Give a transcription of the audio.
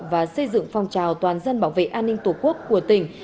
và xây dựng phong trào toàn dân bảo vệ an ninh tổ quốc của tỉnh